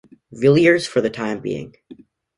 Villiers for the time being.